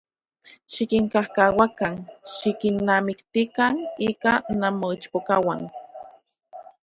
Xikinkajkauakan, xikinnamiktikan ika nanmoichpokauan.